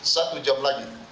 satu jam lagi